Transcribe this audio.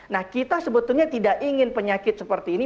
nah kita sebetulnya tidak ingin penyakit seperti ini